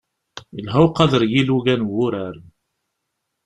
Ilha uqader n yilugan n wurar.